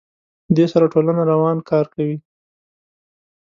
دې سره ټولنه روان کار کوي.